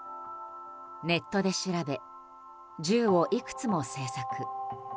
ネットで調べ銃をいくつも製作。